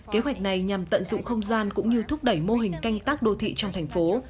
kế hoạch này nhằm tận dụng không gian cũng như thúc đẩy mô hình canh tác đô thị trong thành phố